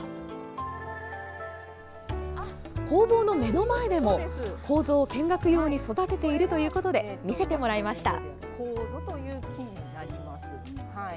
工房の目の前でも、こうぞを見学用に育てているということで見せてもらいました。